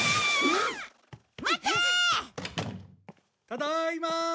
ただいま！